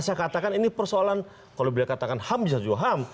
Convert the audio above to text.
saya katakan ini persoalan kalau beliau katakan ham bisa juga ham